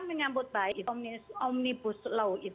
mengambut baik omnibus law